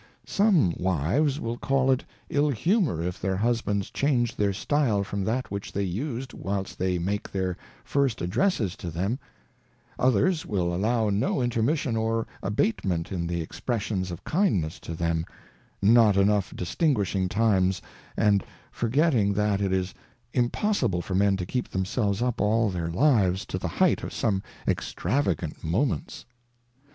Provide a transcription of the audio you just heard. Some Wives will call it Ill humour if their Husbands change their Style from that which they used whilst they made their first Addresses to them : Others will allow no Intermission or Abatement in the Expressions of Kindness to them, not enough distinguishing Times, and forget ting that it is impossible for Men to keep themselves up all their HUSBAND. 15 their Lives to the height of some extravagant Moments.